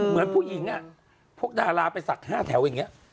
เหมือนผู้หญิงพวกดาราไปสัก๕แถวอย่างนี้